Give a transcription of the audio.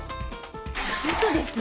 嘘です